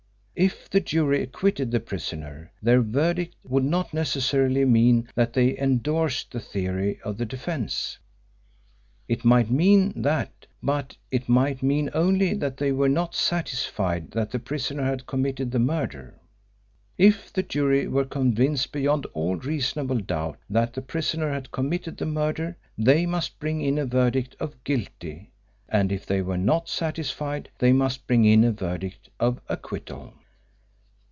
If the jury acquitted the prisoner, their verdict would not necessarily mean that they endorsed the theory of the defence. It might mean that, but it might mean only that they were not satisfied that the prisoner had committed the murder. If the jury were convinced beyond all reasonable doubt that the prisoner had committed the murder, they must bring in a verdict of "guilty," and if they were not satisfied they must bring in a verdict of acquittal.